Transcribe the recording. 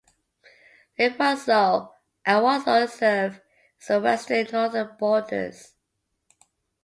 Lake Wausau and Wausau serve as its western and northern borders.